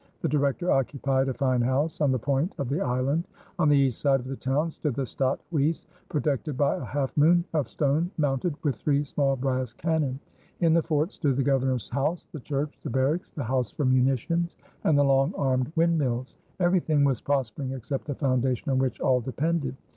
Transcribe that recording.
The Director occupied a fine house on the point of the island. On the east side of the town stood the Stadt Huys protected by a half moon of stone mounted with three small brass cannon. In the fort stood the Governor's house, the church, the barracks, the house for munitions, and the long armed windmills. Everything was prospering except the foundation on which all depended.